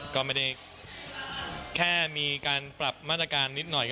ก็ไม่ได้แค่มีการปรับมาตรการนิดหน่อย